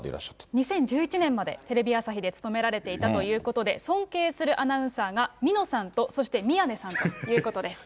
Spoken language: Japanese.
２０１１年までテレビ朝日で勤められていたということで、尊敬するアナウンサーがみのさんと、そして宮根さんということです。